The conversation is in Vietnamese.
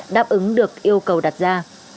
đáp ứng được yêu cầu đặt ra